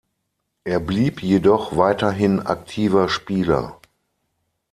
Er blieb jedoch weiterhin aktiver Spieler.